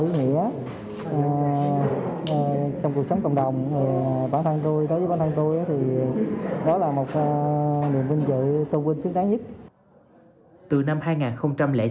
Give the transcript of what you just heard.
bản thân tôi đối với bản thân tôi thì đó là một niềm vinh dự tôn vinh xứng đáng nhất